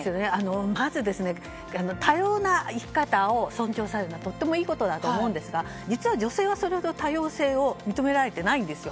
まず、多様な生き方を尊重されるのはいいことだと思うんですが、実は女性はそれほど多様性を認められていないんです。